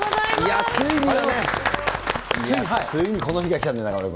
ついについにこの日が来たね、中丸君。